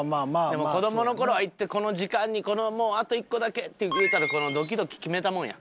でも子供の頃は行ってこの時間にもうあと１個だけって言うたらドキドキ決めたもんや。